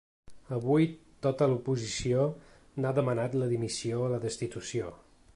Avui tota l’oposició n’ha demanat la dimissió o la destitució.